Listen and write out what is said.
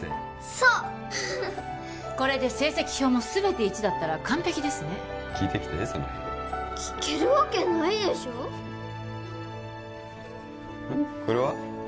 そうこれで成績表もすべて１だったら完璧ですね聞いてきてその辺聞けるわけないでしょこれは？